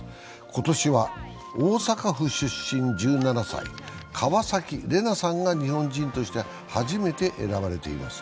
今年は大阪府出身１７歳川崎レナさんが日本人として初めて選ばれています。